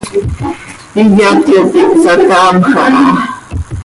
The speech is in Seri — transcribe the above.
iyat cop ihsataamj aha.